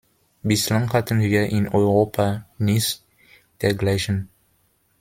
Bislang hatten wir in Europa nichts dergleichen.